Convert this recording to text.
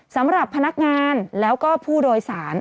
สำหรับพนักงานแล้วก็ผู้โดยสาร